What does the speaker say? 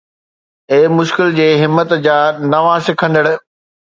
اي مشڪل جي همت جا نوان سکندڙ